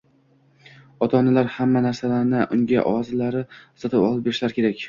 ota-onalar hamma narsani unga o‘zlari sotib olib berishlari kerak;